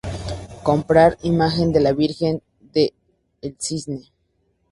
Comprar imagen de la Virgen de "El Cisne"